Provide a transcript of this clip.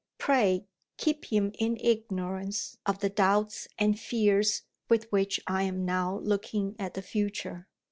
Pray keep him in ignorance of the doubts and fears with which I am now looking at the future.